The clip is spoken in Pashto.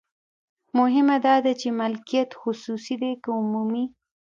مهمه دا ده چې مالکیت خصوصي دی که عمومي.